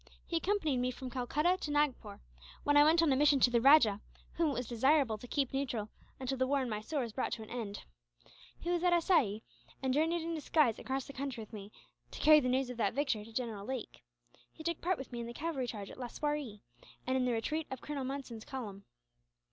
He accompanied me from Calcutta to Nagpore, when I went on a mission to the rajah, whom it was desirable to keep neutral until the war in Mysore was brought to an end. He was at Assaye, and journeyed in disguise across the country with me, to carry the news of that victory to General Lake. He took part with me in the cavalry charge at Laswaree, and in the retreat of Colonel Monson's column."